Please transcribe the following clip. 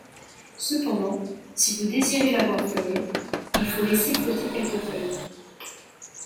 Cependant, si vous désirez la voir fleurir, il faut laisser flotter quelques feuilles.